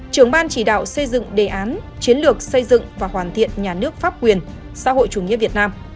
trưởng ban chỉ đạo xây dựng đề án chiến lược xây dựng và hoàn thiện nhà nước pháp quyền xã hội chủ nghĩa việt nam